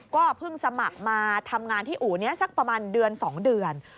ก็เพิ่งสมัครมาทำงานที่อู่นี้สักประมาณเดือน๒เดือน